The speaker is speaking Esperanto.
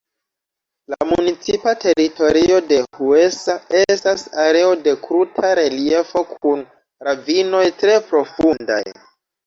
La municipa teritorio de Huesa estas areo de kruta reliefo kun ravinoj tre profundaj.